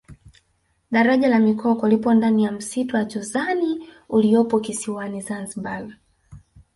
daraja la mikoko lipo ndani ya msitu wa jozani uliopo kisiwani zanzibar